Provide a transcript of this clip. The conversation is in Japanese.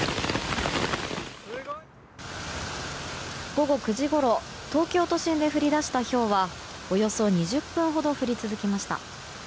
午後９時ごろ東京都心で降り出したひょうはおよそ２０分ほど降り続きました。